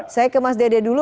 saya ke mas dede dulu